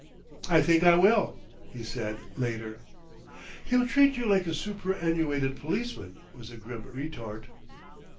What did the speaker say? "I think I will," he said later. "He'll treat you like a superannuated policeman," was the grim retort.